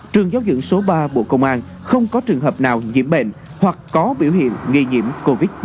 trường giáo dưỡng số ba bộ công an không có trường hợp nào nhiễm bệnh hoặc có biểu hiện nghi nhiễm covid một mươi chín